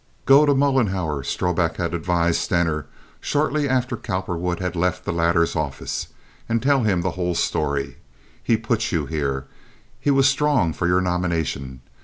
"Go to Mollenhauer," Strobik had advised Stener, shortly after Cowperwood had left the latter's office, "and tell him the whole story. He put you here. He was strong for your nomination.